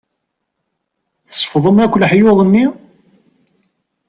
Tsefḍem akk leḥyuḍ-nni?